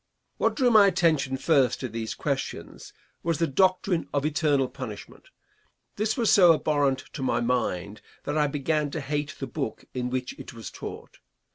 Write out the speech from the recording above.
What drew my attention first to these questions was the doctrine of eternal punishment. This was so abhorrent to my mind that I began to hate the book in which it was taught.